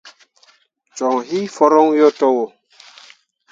Coŋ hii foroŋ yo to wo.